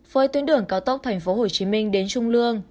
với tuyến đường cao tốc tp hcm đến trung lương